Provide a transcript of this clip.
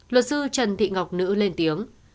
luật sư trần thị ngọc nữ lên tiếng